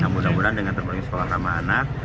mudah mudahan dengan terbentuk sekolah rama anak